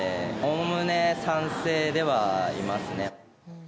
おおむね賛成ではいますね。